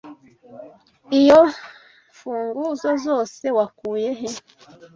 Iyo mfunguzo zose wakuye he?